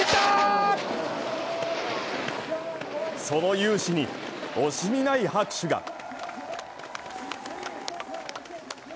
その雄姿に惜しみない拍手が。